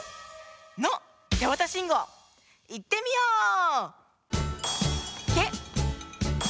信号いってみよう！